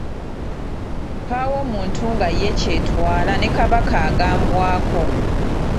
Mpaawo muntu nga ye kyetwala ne Kabaka agambwako.